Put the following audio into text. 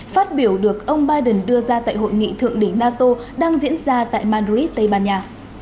phát biểu được ông biden đưa ra tại hội nghị thượng đỉnh nato đang diễn ra tại madrid tây ban nha